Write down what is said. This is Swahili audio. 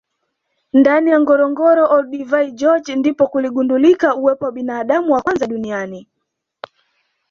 ndani ya ngorongoro Olduvai george ndipo kuligundulika uwepo wa binadamu wa kwanza duniani